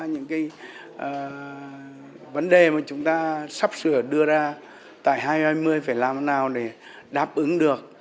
những cái vấn đề mà chúng ta sắp sửa đưa ra tại hai nghìn hai mươi phải làm thế nào để đáp ứng được